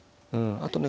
あとね